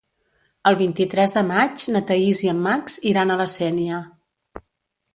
El vint-i-tres de maig na Thaís i en Max iran a la Sénia.